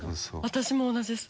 私も同じです。